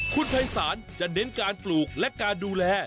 คุณภัยศาลจะเน้นการปลูกและการดูแล